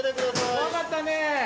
怖かったね。